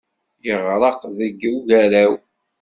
Yeɣreq deg ugaraw.